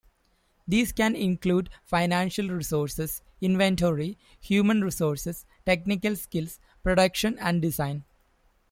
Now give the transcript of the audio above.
These can include financial resources, inventory, human resources, technical skills, production and design.